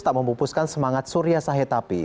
tak membupuskan semangat surya sahetapi